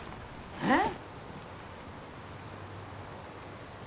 えっ？